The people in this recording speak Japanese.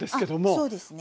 そうですね。